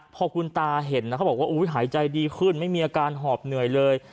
พอคุณตาเห็นนะเขาบอกว่าหายใจดีขึ้นไม่มีอาการหอบเหนื่อยเลย